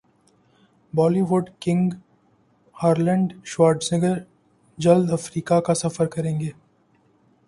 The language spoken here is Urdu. Bali would king Arnold Schwarzenegger جلد افریقہ کاسفر کریں گے